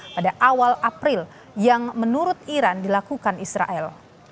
pada awal april yang menurut iran dilakukan israel